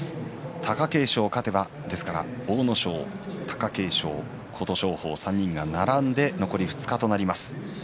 貴景勝が勝てば阿武咲、貴景勝、琴勝峰の３人が並んで残り２日となります。